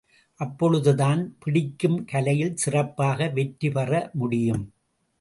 அப்பொழுதுதான், பிடிக்கும் கலையில் சிறப்பாக வெற்றிபெற முடியும்.